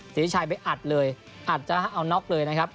สิริชัยไปอัดเลยอาจจะเอาน็อกเลยนะครับ